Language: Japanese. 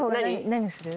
何する？